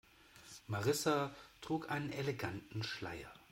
Marissa trug einen eleganten Schleier.